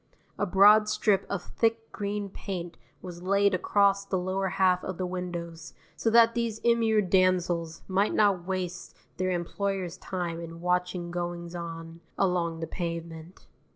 A broad strip of thick green paint was laid across the lower half of the windows so that these immured damsels might not waste their employers' time in watching goings on along the pavement.